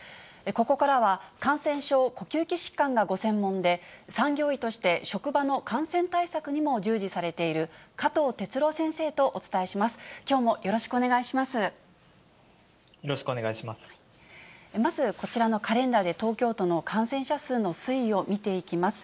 ここからは、感染症、呼吸器疾患がご専門で、産業医として職場の感染対策にも従事されている、加藤哲朗先生とお伝えします。